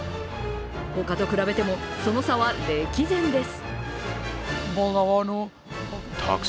他と比べてもその差は歴然です。